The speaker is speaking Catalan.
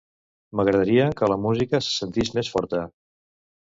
M'agradaria que la música se sentís més forta.